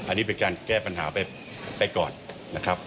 อันนี้เป็นการแก้ปัญหาไปก่อนนะครับ